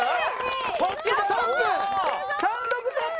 単独トップ。